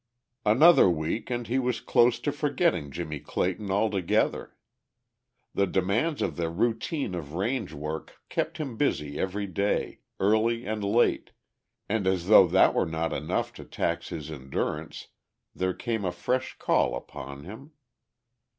Another week and he was close to forgetting Jimmie Clayton altogether. The demands of the routine of range work kept him busy every day, early and late, and as though that were not enough to tax his endurance there came a fresh call upon him.